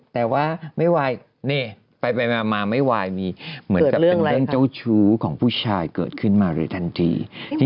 แต่ว่าไม่ไหวนี่ไปมาไม่ไหวมีเหมือนกับเป็นเรื่องเจ้าชู้ของผู้ชายเกิดขึ้นมาโดยทันที